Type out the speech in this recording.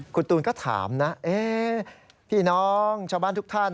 คุณตูนก็ถามนะพี่น้องชาวบ้านทุกท่าน